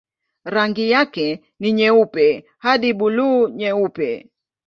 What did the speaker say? Rangi yake ni nyeupe hadi buluu-nyeupe.